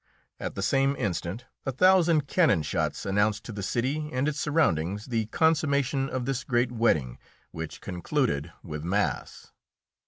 At the same instant a thousand cannon shots announced to the city and its surroundings the consummation of this great wedding, which concluded with mass.